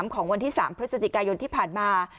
ของวันที่๓พฤศจิกายนที่ผ่านมา